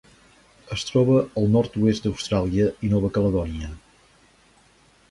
Es troba al nord-oest d'Austràlia i Nova Caledònia.